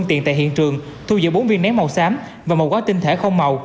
tiền tại hiện trường thu giữ bốn viên nén màu xám và một quái tinh thể không màu